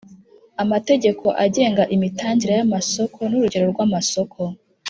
Amategeko agenga imitangire y’amasoko n’urugero rw’amasoko